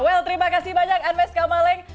well terima kasih banyak anmes kamaleng